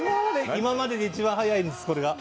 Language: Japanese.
今までで一番速いんです。